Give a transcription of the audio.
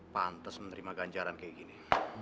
pantas menerima ganjaran kayak gini